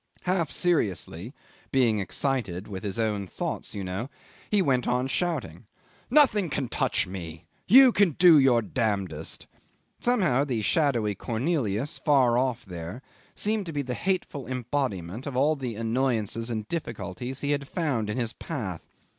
Half seriously (being excited with his own thoughts, you know) he went on shouting, "Nothing can touch me! You can do your damnedest." Somehow the shadowy Cornelius far off there seemed to be the hateful embodiment of all the annoyances and difficulties he had found in his path.